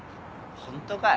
ホントかよ？